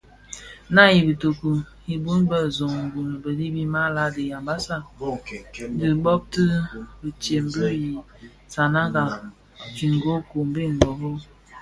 Naa i bitoki bi bon bë Zöň (Gounou, Belibi, malah) di yambassa dhi bitoki bitsem bi zi isananga: Tsingo, kombe, Ngorro,